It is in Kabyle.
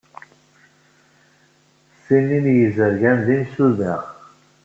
Sin-nni n yizergan d imsudaɣ.